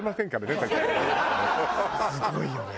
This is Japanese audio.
すごいよね。